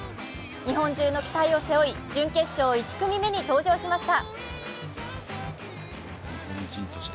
日本中の期待を背負い、準決勝１組目に登場しました。